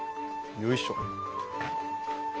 よいしょ。